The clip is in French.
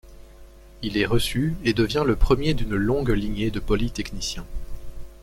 Il est reçu et devient le premier d'une longue lignée de polytechniciens.